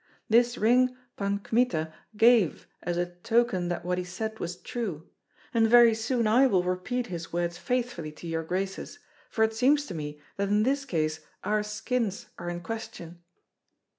This ring Pan Kmita gave as a token that what he said was true; and very soon I will repeat his words faithfully to your graces, for it seems to me that in this case our skins are in question."